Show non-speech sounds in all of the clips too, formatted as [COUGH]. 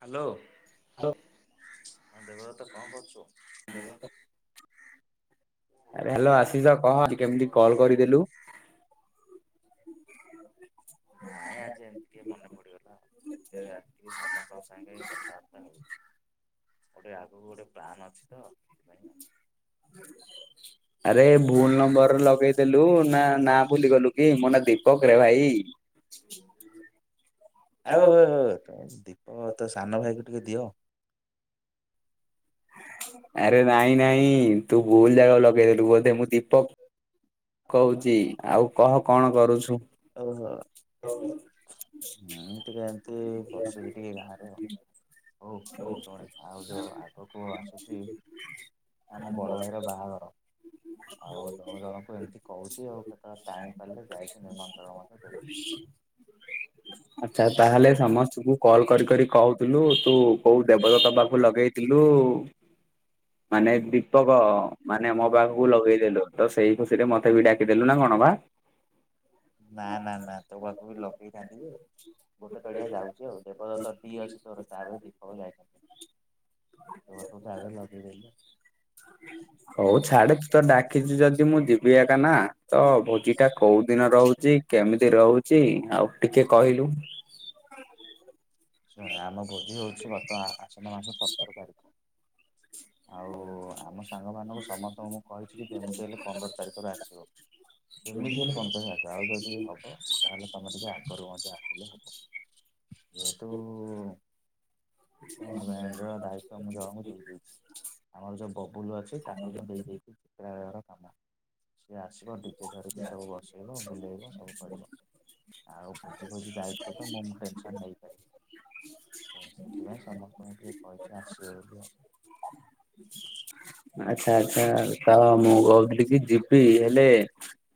Hello. How. ଆ ଦେବଦତ କଣ କରୁଚୁ? [UNINTELLIGIBLE] ଆରେ ହ୍ୟାଲୋ ଆସିସ, କନ ହେଇଚି କେମିତି କଲ କରିଦେଲୁ? ନାଇଁ, ଆଜି ଏମିତି ଟିକେ ମନେ ପଡିଗଲା ଆଉ ଯେତେ [UNINTELLIGIBLE] ଟିକେ ସମସ୍ତଙ୍କ ସାଙ୍ଗେ କଥାବାର୍ତ୍ତା ହଉଛି। ଗୋଟେ ଆଗକୁ ଗୋଟେ ପ୍ଲାାନ ଅ ତ ସେଥିପାଇଁ ଅଛି। [INAUDIBLE] ଆରେ ଭୁଲ ନମ୍ବର ଲଗେଇଦେଲୁ ନା ନାଁ ଭୁଲିଗଲୁ କି ମୋ ନାଁ ଦୀପକ ରେ ଭାଇ। ଆଉ ତୁମେ ଦୀପକ ତମ ସାନ ଭାଇ କୁ ଟିକେ ଦିଅ। ଆରେ ନାଇଁ ନାଇଁ ତୁ ଭୁଲ ଜାଗା କୁ ଲଗେଇଦେଲୁ ବୋଧେ, ମୁଁ ଦୀପକ। କହୁଚି ଆଉ କହ କଣ କରୁଛୁ? ଓହୋ। [UNINTELLIGIBLE] ଳ ହୁଁ ଟିକେ ଏମତି ବସିବି ଟିକେ ବାହାରେ ଆଉ। ହଉ ତୁ ଶୁଣେ, ଆଉ ଯୋଉ ଆଗକୁ ଆସୁଚି ଆମ ବଡ଼ ଭାଇର ବାହାଘର। ଆଉ ଜଣ ଜଣଙ୍କୁ ଏମତି କହୁଚି ଆଉ କେତଳେ ଟାଇମ୍ ପାଇଲେ ଯାଇକି ନିମନ୍ତ୍ରଣ ମଧ୍ୟ ଦେବି। ଆଚ୍ଛା ତାହେଲେ ସମସ୍ତଙ୍କୁ କଲ୍ କରି କରି କହୁ ଥୁଲୁ ତୁ କୋଉ ଦେବଦତ୍ତ ପାଖୁ ଲଗେଇଥିଲୁ ମାନେ ଦୀପକ ମାନେ ମୋ ପାଖୁକୁ ଲଗେଇଥିଲୁ। ତ ସେଇ ଖୁସିରେ ମତେ ବି ଡାକିଦେଲୁ ନାଁ କଣ ବା? ନାଁ ନାଁ ନାଁ ତୋ ପାଖୁକୁ ବି ଲଗେଇଥାନ୍ତି ଯେ ଗୋଟେ କଡି଼ଆ ଯାଉଚୁ ଆଉ ଦେବଦତ୍ତ ବି ଅଛି ତୋର ତା ଦେହରେ ଦୀପକ ଯାଇନଥା ତୋ ପାଖୁ ଯାହା ବି ହେ ଲଗେଇ ଦେଲି। ହଉ ଛାଡ଼େ ତୁ ତ ଡାକିଚୁ ଯଦି ମୁଁ ଯିବି ଏକା ନା ତ ଭୋଜିଟା କୋଉ ଦିନ ରହୁ ବି କେମିତି ରହୁଚି ଆଉ ଟିକେ କହିଲୁ। ଶୁଣେ ଆମ ଭୋଜି ହୋଉଛି ବର୍ତ୍ତମା ଆଶ୍ୱିନ ମାସ ସତର ତାରି ଆଉ ଆମ ସାଙ୍ଗମାନଙ୍କୁ ସମସ୍ତଙ୍କୁ ମୁଁ କହିଛି କି ଯେମିତି ହେଲେ ପନ୍ଦର ତାରିଖରେ ଆସିବ। ଫେମଲିକୁ ହେଲେ କଁ କହିଆ? ତ ଆଉ ଯଦି ହବ ତାହେଲେ ତମେ ଟିକେ ଆଗରୁ ମଧ୍ୟ ଆସିଲେ ହେବ। ଯେହେତୁ କଁ ଟେଣ୍ଟ କରିଆ ବ୍ୟାଣ୍ଡ ନିଜେ ର ତ ଦାୟିତ୍ଵ [UNINTELLIGIBLE] ଜଣଙ୍କୁ ଦେଇଦେଇଛି। ଆମର ଯୋଉ ବବୁଲ ଅଛି ତାକୁ ମୁଁ ଦେଇ ଦେଇଦେଇ ଇ ଚିତ୍ରାଳୟର କାମ। ସିଏ ଆସିବ ଟି? ଯେ ଧରିକି ସବୁ ବସେଇବ, ବୁଲେଇବ ସବୁ କରିବ। ଆଉ ଭୋଜି ଫୋଜି ଦାୟିତ୍ଵ ତ ମୁଁଁ ମୁ ଟେନସନ୍ ନେଇପାରିବି। ଏଁ ସେଥିପାଇଁ ସମସ୍ତଙ୍କୁ ଟିକେ କହିଛୁ ଆସିବ ବୋଲି ଆଉ। ଆଚ୍ଛା ଆଚ୍ଛା, ତ ମୁଁ କହୁଥିଲି କି ଯିବି ହେଲେ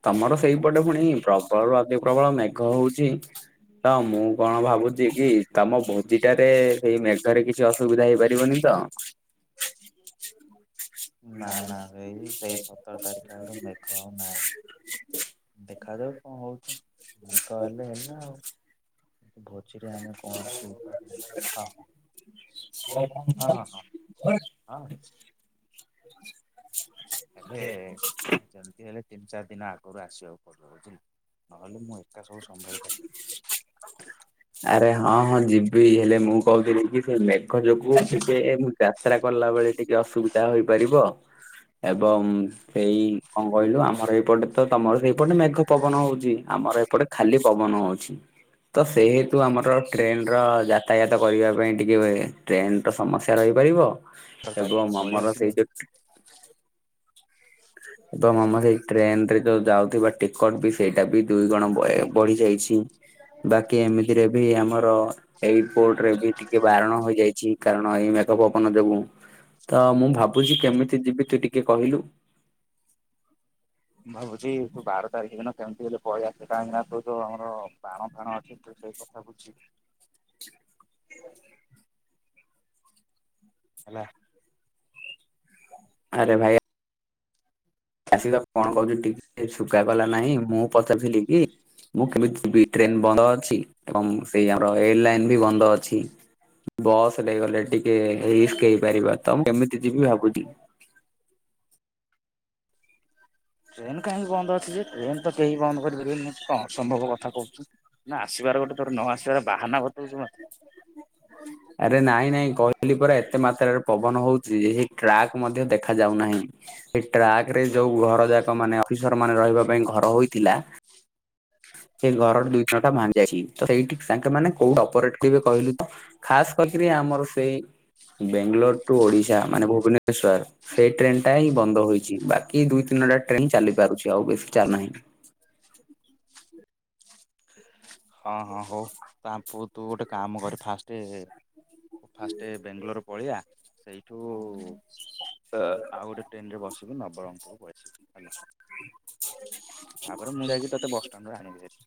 ତମର ସେଇପଟେ ଫୁଣି ପ୍ରବଳରୁ ଅତି ପ୍ରବଳ ମେଘ ହଉଛି। ତ ମୁଁ କଣ ଭାବୁଛି କି ତମ ଭୋଜିଟାରେ ହେଇ ମେଘରେ କି ଛି ଅସୁବିଧା ହେଇପାରିବନି ତ? ଭୋଜି ନାଁ ନାଁ ଏଇ ସେଇ ସତର ତାରିଖ ଆଡ଼େ ମେଘ ଆଉ ନାଇ। ଦେଖାଯାଉ କଁ ହଉଛି ମେଘ ହେଲେ ହେଲା ଆଉ। କିନ୍ତୁ ଭୋଜିରେ ଆମେ କଣ ସବୁ କରିବା? ହଁ। ହଁ ହଁ ହଁ ହଁ। ଏଇକ୍ଷୁଣି ଆବେ ଉ ଯେମତି ହେଲେ ତିନି ଚାର ଦିନ ଆଗରୁ ଆସିବାକୁ ପଡ଼ିବ ବୁଝିଲୁ? ନହେଲେ ମୁଁ ଏ ତା ସବୁ ସମ୍ଭାଳି ପାରିବିନି। ଆରେ ହଁ ହଁ ଯିବି ହେଲେ ମୁଁ କହୁଥିଲି କି ସେ ମେଘ ଯୋଗୁ ଟିକେ ମୁଁ ଯା ତ୍ରା କଲାବେଳେ ଟିକେ ଅସୁବିଧା ହୋଇପାରିବ ଏବଂ ହେଇ କଁ କହିଲୁ ଆମର ଏଇପଟେ ତ ତମର ସେଇପଟେ ମେଘ ପବନ ହଉଚି ଆମର ଏପଟେ ଖାଲି ପବନ ହଉଛି ତ ସେ ତୁ ଆମର ଟ୍ରେନ୍ ର ଯାତାୟାତ କରିବା ପାଇଁ ଟିକେ ଟ୍ରେନ୍ ର ସମସ୍ୟା ରହିପାରିବ। ବାର ତାରିଖରୁ ଏବଂ ପଳେଇ ଆମର ଆସିଲେ ସେଇ ଯୋଉ ଏବଂ ଆମର ଏଇ ଟ୍ରେନ୍ ରେ ଯୋଉ ଯାଉଥିବା ଟିକଟ୍ ବି ସେଇଟା ବି ଦୁଇ ଗୁଣ ବ ବଢ଼ି ଯାଇଛି। ଟି ବାକି ଏମିତିରେ ବି ଆମର ଏଇ ପୋର୍ଟ୍ ରେ ବି ଟିକେ ବାରଣ ହୋଇଯାଇଛି କାର ନଈ ମେଘ ପବନ ଯୋଗୁ ତ ମୁଁ ଭାବୁଚି କେମିତି ଯିବି ତୁ ଟିକେ କହିଲୁ। ମୁଁ ଭାବୁଛି ତୁ ବାରଟା [UNINTELLIGIBLE] କେମିତି ହେଲେ ପଳେଇ ଆସେ। କାହିଁକିନା ତୁ ଯଉ ଆମର ବାଣ ଫାଣ ଅଛି ତୁ ସେଇ କଥା ବୁଝୁ। [INAUDIBLE] ହେଲା। [INAUDIBLE] ଆରେ ଭାଇ ଆସି କଣ କରୁଚୁ ଟିକେ ଶୁ କା କଲା ନାଇଁ ମୁଁ ପଚାରଥିଲି କି ମୁଁ କେମିତି ଯିବି ଟ୍ରେନ ବନ୍ଦ ଅଛି। ଏବଂ ସେଇ ଆମର ଏର ଲାଇନ ବି ବନ୍ଦ ଅଛି ବସରେ ଗଲେ ଟିକ ଟିକେ ରିସ୍କ ହେଇପାରିବ ତ କେମିତି ଯିବି ଭାବୁଛି। ଟ୍ରେନ କାହିଁକି ବନ୍ଦ ଅଛି ଯେ ଟ୍ରେନ ତ କେହି ବନ୍ଦ କରିପାରିବେନି କଣ ସମ୍ଭବ କଥା କହୁଛୁ। ନା ଆସିବାର ଗୋଟେ ଥର ନ ଆସିବାର ବାହାନା ବତଉଛୁ ମତେ? ଆରେ ନାଇଁ ନାଇଁ କ କହିଲି ପରା ଏତେ ମାତ୍ରାରେ ପବନ ହଉଛି ଏହି ଟ୍ରାକ୍ ମଧ୍ୟ ଦେଖା ଯାଉନାହିଁ। ସେ ଟ୍ରାକରେ ଯୋଉ ଘର ଯାକ ମାନେ ଅଫିସର ମାନେ ରହିବା ପାଇଁ ଘର ହୋଇଥିଲା। ସେଇ ଘରର ଦୁଇ ଥଣ୍ଟ ଭାଙ୍ଗି ଯାଇଛି। ତ ସେଇଠି ସାଙ୍ଗେ ମାନେ କୋଉ ଅପରେଟ ତୁ ଏବେ କହିଲୁ ତ ଖାସ କରିକି ଆମର ସେଇ ବେଙ୍ଗାଲୋର ଟୁ ଓଡ଼ିଶା ମାନେ ଭୁବନେଶ୍ଵର। ସେଇ ଟ୍ରେନଟା ହିଁ ବନ୍ଦ ହୋଇଛି। ବାକି ଦୁଇ ତିନିଟା ଟ୍ରେନ ଚାଲି ପାରୁଛି ଆଉ ବେଶୀ ଚାଲୁନାହିଁ। [INAUDIBLE] ହଁ ହଁ ହଉ ତାହେନେ ତୁ ତୁ ଗୋଟେ କାମ କର ଫାଷ୍ଟେ ତୁ ଫାଷ୍ଟ ବେଙ୍ଗାଲୋର ପଳେଇଆ ସେଇ ଠୁ ଆ ଆଉ ଗୋଟେ ଟ୍ରେନ ରେ ବସିବୁ ନବରଙ୍ଗପୁର ପଳେଇ ଆସିବୁ ହେଲା। [INAUDIBLE] ତାପରେ ମୁଁ ଯାଇକି ତତେ ବସଷ୍ଟାଣ୍ଡରୁ ଆଣିବି ହେରି।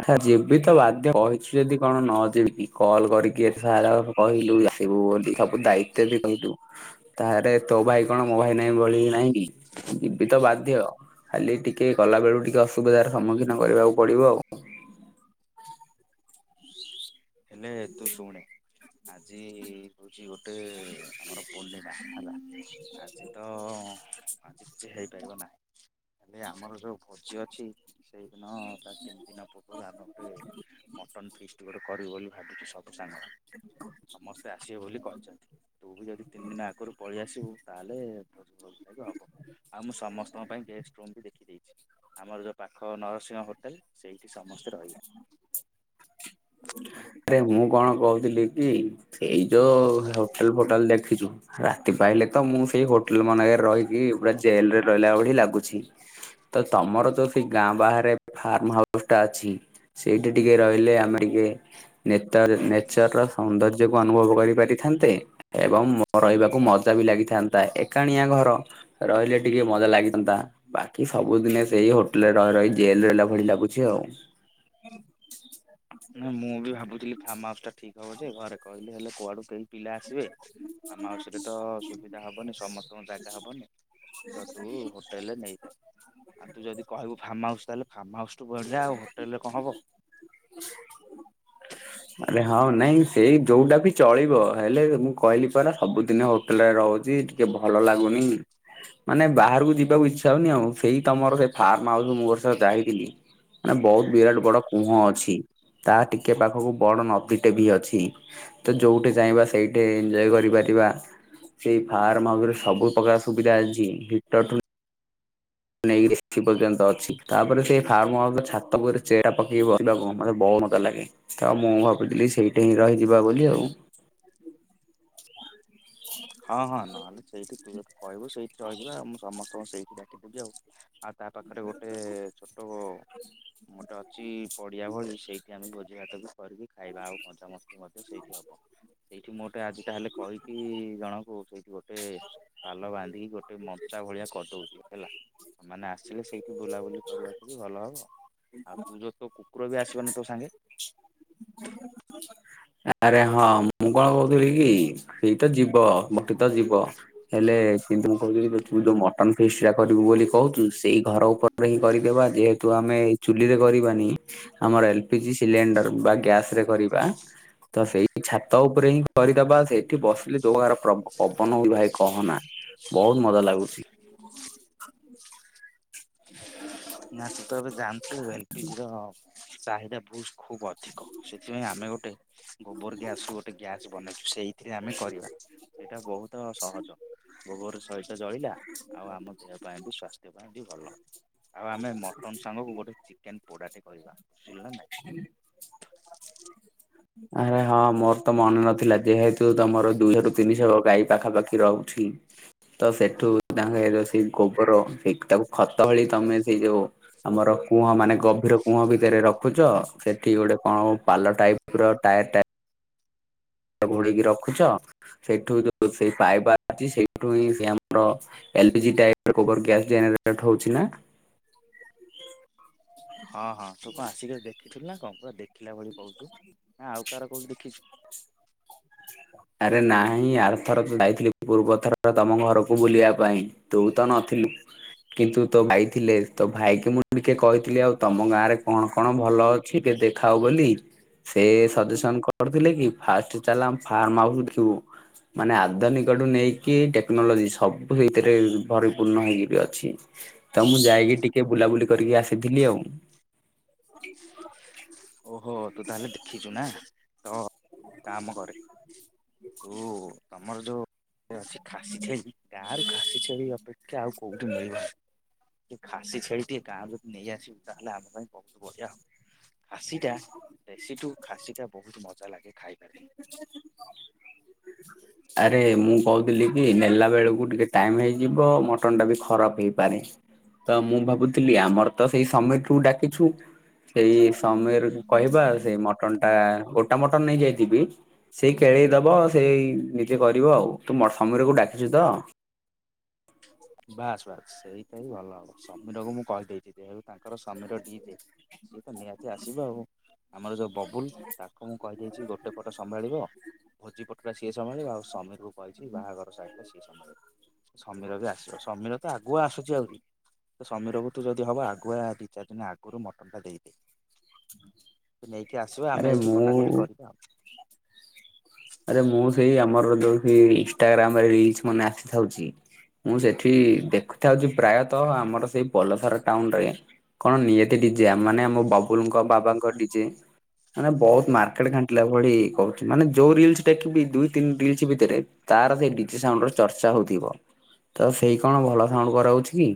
ଆହା ଯିବି ତ ବାଧ୍ୟ କହିଛୁ ଯଦି କଣ ନ ଯିବି କି କଲ୍ କରିକି ସାର୍ ଆହ କହିଲୁ ଆଇବୁ ବୋଲି। ସବୁ ଦାୟିତ୍ୱ ବି କହିଲୁ ତାହରେ ତୋ ଭାଇ କଣ ମୋ ଭାଇ ନାଇଁ ଭଳି ନାହିଁ। ବି ଯିବି ତ ବାଧ୍ୟ। ଖାଲି ଟିକେ ଗଲା ବେଳକୁ ଟିକେ ଅସୁବିଧାର ସମ୍ମୁଖୀନ କରିବାକୁ ପଡିବ ଆଉ। ହେଲେ ତୁ ଶୁଣେ। ଆଜି ହଉଛି ଗୋଟେ ଆମର ପୂର୍ଣ୍ଣିମା ହେଲା ଆଜି। ତ ଆଜି କିଛି ହେଇପାରିବ ନାହିଁ। ହେଲେ ଆମର ଯୋଉ ଭୋଜି ଅଛି ସେଇଦିନ ତା ତିନି ଦିନ ପୂର୍ବରୁ ଆମେ ଗୋଟେ ମଟନ୍ ଫିଷ୍ଟ ଗୋଟ କରିବୁ ବୋଲି ଭାବୁଛି ସବୁ ସାଙ୍ଗ ସମସ୍ତେ ଆସିବେ ବୋଲି କହିଛନ୍ତି। ତୁ ବି ଯଦି ତିନି ଦିନ ଆଗରୁ ପଳେଇ ଆସିବୁ। ତାହେଲେ ବହୁତ ଭଲ ଖାଇବା ହବ ଆଉ ମୁଁ ସମସ୍ତଙ୍କ ପାଇଁ ଗେଷ୍ଟ ରୁମ୍ ବି ଦେଖିଦେଇଛି। ଆମର ଯେଉଁ ପାଖ ନରସିଂହ ହୋଟେଲ ସେଇଠି ସମସ୍ତେ ରହିବେ। ଆରେ ମୁଁ କଣ କହୁଥିଲି କି ସେଇ ଯୋଉ ହୋଟେଲ ଫୋଟେଲ ଦେଖ ଛୁ ରାତି ପାିଲଲେ ତ ମୁଁ ସେଇ ହୋଟେଲ ମାନଙ୍କରେ ରହିକି ପୁରା ଜେଲରେ ରହିଲା ଭଳି ଲାଗୁଛି। ତ ତମର ଯଦି ସେ ଗାଁ ବାହାରେ ଫାର୍ମ ହାଉସଟା ଅଛି। ସେଇଠି ଟିକେ ରହିଲେ ଆମେ ଟିକେ ନେତର ନେଚର ସୌନ୍ଦର୍ଯ୍ୟକୁ ଅନୁଭବ କରିପାରିଥାନ୍ତେ। ଏବଂ ରହିବାକୁ ମଜା ବି ଲାଗିଥାନ୍ତା ଏକାଣିଆ ଘର। ରହିଲେ ଟିକେ ମଜା ଲାଗିଥାନ୍ତା। ବାକି ସବୁଦିନେ ସେଇ ହୋଟେଲରେ ରହି ରହି ଜେଲରେ ରହିଲା ଭଳି ଲାଗୁଛି ଆଉ। ନାଁ ମୁଁ ବି ଭାବୁଥିଲି ଫାର୍ମ ହାଉସ ଟା ଠିକ୍ ହବଜେ ଘରେ କହିଲି ହେଲେ କୁଆଡୁ କେହି ପିଲା ଆସିବେ। ଆମ ହାଉସରେ ତ ସୁ ସୁବିଧା ହବନି ସମସ୍ତଙ୍କୁ ଜାଗା ହବନି। ତ ତୁ ହୋଟେଲରେ ନେଇଯା। ଆଉ ତୁ ଯଦି କହିବୁ ଫାର୍ମ ହାଉସ ତାହେଲେ ଫାର୍ମ ହାଉସ ଠୁ ବଢିଆ ଆଉ ହୋଟେଲ ରେ କଣ ହବ। ଆରେ ହଁ ନାଇଁ ଏଇ ଯୋଉଟା ବି ଚଳିବ ହେଲେ ମୁଁ କହିଲି ପରା ସବୁଦିନ ହୋଟେଲରେ ରହୁଚି। ଟିକେ ଭଲ ଲାଗୁନି। ମାନେ ବାହାରକୁ ଯିବାକୁ ଇଚ୍ଛା ହଉନି ଆଉ ସେଇ ତମର ସେ ଫାର୍ମ ହାଉସ ମୁଁ ଗୋଟେ ଥର ଯାଇଥିଲି। ମାନେ ବହୁତ ବିରାଟ ବଡ କୂଅ ଅଛି। ତା ଟିକେ ପାଖକୁ ବଡ଼ ନଦୀଟେ ବି ଅଛି। ତ ଯୋଉଠି ଚାହିଁବା ସେଇଠି ଏଞ୍ଜୟ କରିପାରିବା। ସେଇ ଫାର୍ମ ହାଉସ ରେ ସବୁ ପ୍ରକାର ସୁବିଧା ଅଛି ଗୀତ ଠୁ ନେଇକି [INAUDIBLE] ପର୍ଯ୍ୟନ୍ତ ଅଛି। ତାପରେ ସେଇ ଫାର୍ମ ହାଉସ ର ଛାତ ଉପରେ ଚେୟାର ପକେଇ ବସିବାକୁ ମତେ ବହୁତ ମଜା ଲାଗେ। ତ ମୁଁ ଭାବିଥିଲି ସେଇଠି ହିଁ ରହିଯିବା ବୋଲି ଆଉ। ହଁ ହଁ ନହେଲେ ସେଇଠି ତୁ ଯଦି କହିବୁ ସେଇଠି ରହିଯିବା ଆଉ ମୁଁ ସମସ୍ତଙ୍କୁ ସେଇଠି ଡାକିଦେବି ଆଉ। ଆଉ ତା ପାଖରେ ଗୋଟେ ଛୋଟୋ ଗୋଟେ ଅଛି ପଡିଆ ଭଳି ସେଇଠି ଆମେ ଭୋଜି ଭାତ ବି କରିକି ଖାଇବା ଆଉ ମଜା ମସ୍ ସ୍ତି ମଧ୍ୟ ସେଇଠି ହବ। ସେଇଠି ମୁଁ ଗୋଟେ ଆଜି ତାହେଲେ କହିକି ଜଣଙ୍କୁ ସେଇଠି ଗୋଟେ ପାଲ ବାନ୍ଧିକି ଗୋଟେ ମଞ୍ଚା ଭଳିଆ କରଦଉଚି। ହେଲା ତମେ ମାନେ ଆସିଲେ ସେ ଏଇଠି ବୁଲା ବୁଲି କରିବାକୁ ବି ଭଲ ହବ। ଆଉ ତୁ ଯୋଉ ତୋ କୁକୁର ବି ଆସିବନା ତୋ ସାଙ୍ଗେ? ଆରେ ହଁ ମୁଁ କଣ କହୁଥିଲି କି ଏଇତ ଯିବ ମୋତେ ତ ଯିବ ହେଲେ କିନ୍ତୁ ମୁଁ କହୁଥିଲି ଯେ ତୁ ଯୋଉ ମଟନ ଫିଷ୍ଟଟା କରିବୁ ବୋଲି କହୁଚୁ ସେଇ ଘର ଉପରେ ହିଁ କରିଦେବା ଯେହେତୁ ଆମେ ଏଇ ଚୁଲିରେ କରିବାନି ଆମର L P G cylinder ବା ଗ୍ୟାସ ରେ କରିବା। ତ ସେଇ ଛାତ ଉପରେ ହିଁ କରିଦବା ସେଇଠି ବସିଲେ ଯୋଉ ପ୍ରକାର ପ୍ରବ-ପବନ ହଉଛି ଭାଇ କହନା। ବହୁତ ମଜା ଲାଗୁଛି। ଦେଖିବୁ କଣ ହଉଚି। ନା ତୁ ତ ଏବେ ଜାଣଥିବୁ ଏ ଲ ପି ଜି ର ଚାହିଦା ଭୁଲ୍ ଖୁବ ଅଧିକ ସେଥିପାଇଁ ଆମେ ଗୋଟେ ଗୋବର ଗ୍ୟାସ ରୁ ଗୋଟେ ଗ୍ୟାସ ବନେଇଛୁ ସେଇ ଏଥିରେ ଆମେ କରିବା ସେଇଟା ବହୁତ ସହଜ। ଗୋବର ତ ଏଇତ ଜଳିଲା ଆଉ ଆମ ଦେହ ପାଇଁ ବି ସ୍ୱାସ୍ଥ୍ୟ ପାଇଁ ବି ଭଲ। ଆଉ ଆମେ ମଟନ ସାଙ୍ଗକୁ ଗୋଟେ ଚିକେନ ପୋଡାଟେ କରିବା ବୁଝିଲେ ନା ନାଇଁ? ଆରେ ହଁ ମୋର ତ ମନେ ନ ଥିଲା ଯେହେତୁ ତମର ଦୁଇ ଶହ ରୁ ତିନି ଶହ ଗାଈ ପାଖା ପାଖି ରହୁ ଛି ତ ସେଠୁ ତାଙ୍କ ଏ ଯୋଉ ସେଇ ଗୋବର ଏ ତାକୁ- ଖତ ଭଳି ତମେ ସେଇ ଯୋଉ ଆମର କୂଅ ମାନେ ଗଭୀର କୂଅ ଭିତରେ ର ଖୁଚ ସେଠି ଗୋଟେ କଣ ପାଲ ଟାଇପି ର ଟାୟାର ଟା [UNINTELLIGIBLE] ଘୋଡେଇକି ରଖୁଛ ସେଇଠୁ ଯୋଉ ସେଇ ପାଇପି ଅଛି ସେଇଠୁ ହିଁ ସେ ଆମର L P G [UNINTELLIGIBLE] gas generated ହଉଛି ନା? ହଁ ହଁ ତୁ କଣ ଆସିକି ଦେଖିଥିଲୁ ନା କଣ ପୁରା ଦେଖିଲା ଭଳି କହୁଚୁ ନା ଆଉ କାହାର କୋଉଠି ଦେଖିଛୁ? ଆରେ ନାଇଁ ଆରଥରକ ଯାଇଥିଲି ପୂର୍ବ ଥର ତମ ଘରକୁ ବୁଲିବା ପାଇଁ। ତୁ ତ ନ ଥିଲୁ। କିନ୍ତୁ ତୋ ଭାଇ ଥିଲେ ତୋ ଭାଇକି ମୁଁ ଟିକେ କହିଥିଲି ଆଉ ତମ ଗାଁ ରେ କଣ କଣ ଭଲ ଛି କେ ଦେଖାଅ ବୋଲି ସେ ସଜେସନ କରଥିଲେ କି ଫାଷ୍ଟେ ଚାଲ ଆମ ଫାର୍ମ ହାଉସ ଦେଖିବୁ। ମାନେ ଆଦନିକଠୁ ନେଇକି ଟେକ୍ନୋଲୋଜି ସବୁ ସେଇଥିରେ ପରିପୂର୍ଣ ହେଇକିରି ଅଛି। ତ ମୁଁ ଯାଇକି ଟିକେ ବୁଲାବୁଲି କରିକି ଆସିଥିଲି ଆଉ। [UNINTELLIGIBLE] ଓହୋ ତୁ ତାହେଲେ ଦେଖିଛୁ ନା ତ କାମ କରେ ତୁ ତମର ଯୋଉ ଯୋଉ ଅଛି ଖାସି ଛେଳି ଗାଁରୁ ଖାସି ଛେଳି ଅପେକ୍ଷା ଆଉ କୋଉଠି ମିଳିବ। ଟିକେ ଖାସି ଛେଳି ଟିକେ ଗାଁରୁ ନେଇଆସିବ ତାହେଲେ ଆମ ପାଇଁ ବହୁତ ବଢିଆ ହବ। ଖାସିଟା ଦେଶୀଠୁ ଖାସିଟା ବହୁତ ମଜା ଲାଗେ ଖାଇବାରେ। ହ ଆରେ ମୁଁ କହୁଥିଲି କି ନେଲା ବେଳକୁ ଟିକେ ଟାଇମ ହେଇଯିବ ମଟନ୍ ଟା ବି ଖରାପ ହେଇପାରେ। ତ ମୁଁ ଭାବୁଥିଲି ଆମର ତ ସେଇ ସମେଠୁ ଡାକିଛୁ। ସେଇ ସମିର କୁ କହିବା ସେଇ ମଟନ ଟା ଗୋଟା ମଟନ ନେଇଯାଇ ଯିବି ସେଇ କେଳେଇ ଦବ ସେଇ ନିଜେ କରିବ ଆଉ ତୁ ମ ସମିରକୁ ଡାକିଛୁ ତ। ବାସ୍ ବାସ୍ ସେଇଟା ହିଁ ଭଲ ହବ। ସମୀରକୁ ମୁଁ କହି ଦେଇଛିି ଯେହେତୁ ତାଙ୍କର ସମୀର ଡିଜେ। ସିଏ ତ ନିହାତି ଆସିବ ଆଉ ଆମର ଯୋଉ। ବବୁଲ ତାକୁ ମୁଁ କହିଦେଇଛି ଗୋଟେ ପଟେ ସମ୍ଭାଳିବ। ଭୋଜି ପଟଟା ସିଏ ସମାଳିବ ଆଉ ସମୀରକୁ କହିଛି ବାହାଘର ସାଇଟ ଟା ସିଏ ସମ୍ଭାଳିବ। ସମୀର ବି ଆସିବ ସମୀର ତ ଆଗକୁ ଆସୁଛି ଆହୁରି। ତ ସମୀରକୁ ତୁ ଯଦି ହବ ଆଗୁଆ ଦି ଚାରି ଦିନ ଆଗରୁ ମଟନ ଟା ଦେଇଦେ। ସେ ନେଇକି ଆସିବା ଆରେ ଆମେ ଏଇଠି ମୁଁ କଟାକଟି କରିବା ଆଉ। ଆରେ ମୁଁ ସେଇ ଆମର ହି ଯୋଉ ଇନଷ୍ଟା ଗ୍ରାମରେ ରିଲସ ମାନେ ଆସିଥାଉଛି। ମୁଁ ସେଠି ଦେଖୁଥାଉଛି ପ୍ରାୟତଃ ଆମର ସେଇ ପଲସାର ଟାଉନ ରେ। କଣ ନିଆତି ଡିଜେ ମାନେ ଆମ ବାବୁଲଙ୍କ ବାବାଙ୍କ ଡିଜେ। ମାନେ ବହୁତ ମାର୍କେଟ ଘାଣ୍ଟିଲା ଭଳି କରୁଛି ମାନେ। ଯୋଉ ରିଲସ୍ ଟେକିବି ଦୁଇ ତିନି ରିଲସ ଭିତରେ ତାର ସେ ଡିଜି ସାଉଣ୍ଡ ଚର୍ଚ୍ଚା ହଉଥିବ। ତ ସେଇ କଣ ଭଲ ସାଉଣ୍ଡ କରାଉଛି କି?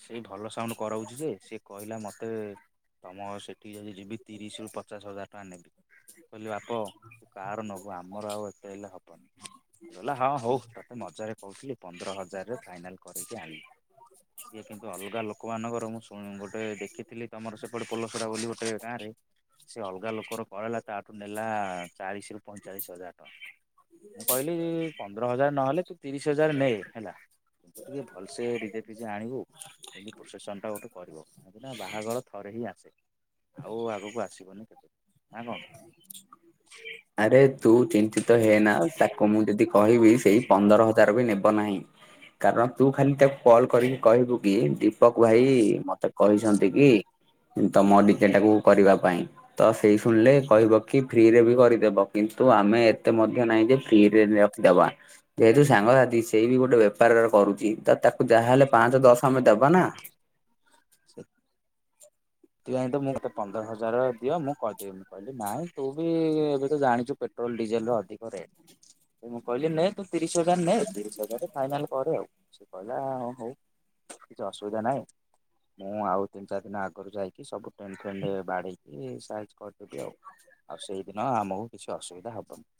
ସେ ଭଲ ସାଉଣ୍ଡ କରଉଛି ଯେ ସେ କହିଲା ମୋତେ ‌। ତମ ସେଠିକି ଯଦି ଯିବି ତିରିଶ ରୁ ପଚାଶ ହଜାର ଟଙ୍କା ନେବି। କହିଲି ବାପ ତୁ କାହାର ନବୁ ଆମର ଆଉ ଏତେ ହେଲେ ହବନି। ସେ କଇଲା ହଁ ହଉ ତତେ ମଜାରେ କହୁଥିଲି ପନ୍ଦର ହଜାରରେ ଫାଇନାଲ କରକି ଆଣିବି। ସିଏ କିନ୍ତୁ ଅଲଗା ଲୋକମାନାନଙ୍କର ମୁଁ ଶୁଣ ଗୋଟେ ଦେଖିଥିଲି ତମର ସେପଟେ ପୋଲସରା ବୋଲି ଗୋଟେ ଗାଁ ରେ। ସେ ଅଲଗା ଲୋକର କରେଇଲା ତାଠୁ ନେଲା ଚାଳିଶ ରୁ ପଇଁଚାଳିଶ ହଜାର ଟଙ୍କା। ମୁଁ କହିଲି ପନ୍ଦର ହଜାର ନହେଲେ। ତୁ ତିରିଶ ହଜାର ନେ ହେଲା କିନ୍ତୁ ଟିକେ ଭଲସେ ଡିଜେ ଫିଜେ ଆଣିବୁ ଯେମତି ପ୍ରୋସେସନ ଟା। ଟା ଗୋଟେ କରିବ କାହିଁକି ନା ବାହାଘର ଥରେ ହିଁ ଆସେ। ଆଉ ଆଗକୁ ଆସିବନି କେବେ ନା କଣ। ଆରେ ତୁ ଚିନ୍ତିତ ହେନା ତାକୁ ମୁଁ ଯଦି କହିବି ସେଇ ପନ୍ଦର ହଜାର ବି ନେବ ନାହିଁ। କାରଣ ତୁ ଖାଲି ତାକୁ କଲ କରିକି କହିବୁ କି ଦୀପକ ଭାଇ ମତେ କହିଛନ୍ତି କି। ତମ ଡିଜେ ଟାକୁ କରିବା ପାଇଁ ତ ସେଇ ଶୁଣିଲେ କହିବ କି ଫ୍ରି ରେ ବି କରି ଦେବ କିନ୍ତୁ ଆମେ ଏତେ ମଧ୍ୟ ନାହିଁ ଯେ ଫ୍ରିରେ ନେଇ ରଖିଦବା। ଯେହେତୁ ସାଙ୍ଗସାଥି ସେଇ ବି ଗୋଟେ ବେପାରରେ କରୁଛି ତ ତାକୁ ଯାହାହେଲେ ପାଞ୍ଚ ଦଶ ଆମେ ଦବା ନା। ଜେ। ତୁ ଜାଣି ଥିବୁ ମୁଁ ତତେ ପନ୍ଦର ହଜାର ଦିଅ ମୁଁ କହିଦେବି ମୁଁ କହିଲି ନାଇଁ ତୁ ବି ଏବେ ତ ଜାଣିଛୁ ପେଟ ଟ୍ରୋଲ ଡିଜେଲ ର ଅଧିକ ରେଟ ମୁଁ କହିଲି ନେ ତୁ ତିରିଶ ହଜାର ନେ ତିରିଶ ହଜର ରେ ଫାଇନାଲସ। କରେ ଆଉ ସେ କହିଲା ହଉ କିଛି ଅସୁବିଧା ନାହିଁ। ମୁଁ ଆଉ ତିନି ଚାରି ଦିନ ଆଗରୁ ଯାଇକି ସବୁେ ଫେଣ୍ଡ ବାଡେଇକି ସାଇଜ। କରିଦେବି ଆଉ ଆଉ ସେଇଦିନ ଆମକୁ କିଛି ଅସୁବିଧା ହବନି।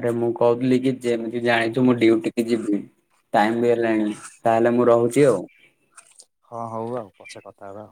ଆରେ ମୁଁ କହୁଥିଲି କି ଯେମିତି ଜାଣିଛୁ ମୁଁ ଡଡିୁଟି କି ଯିବି। ଟାଇମ ବି ହେଲାଣି ତାହେଲେ ମୁଁ ରହୁଛି ଆଉ। ହଁ ହଉ ଆଉ ପଛେ କଥା ହବା।